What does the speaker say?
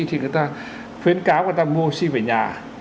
thì người ta khuyến cáo người ta mua xin về nhà